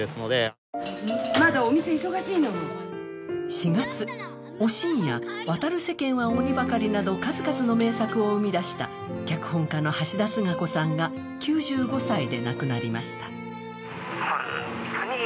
４月、「おしん」や「渡る世間は鬼ばかり」など数々の名作を生み出した脚本家の橋田壽賀子さんが９５歳で亡くなりました。